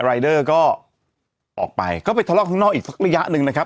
รายเดอร์ก็ออกไปก็ไปทะเลาะข้างนอกอีกสักระยะหนึ่งนะครับ